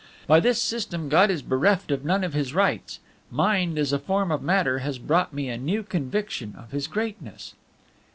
"By this system God is bereft of none of His rights. Mind, as a form of matter, has brought me a new conviction of His greatness."